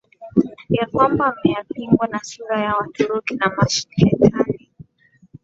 kwamba anayepingwa kwa sura ya Waturuki wa Meskhetian